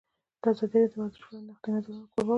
ازادي راډیو د ورزش په اړه د نقدي نظرونو کوربه وه.